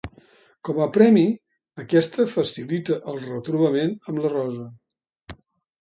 Com a premi, aquesta facilita el retrobament amb la Rosa.